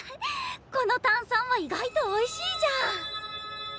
この炭酸は意外とおいしいじゃん。